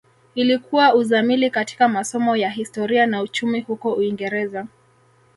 Ilikuwa uzamili katika masomo ya Historia na Uchumi huko Uingereza